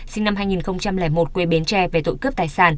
sinh năm hai nghìn một quê bến tre về tội cướp tài sản